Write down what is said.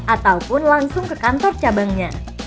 ataupun langsung ke kantor cabangnya